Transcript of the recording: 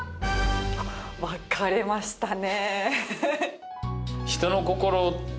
分かれましたね。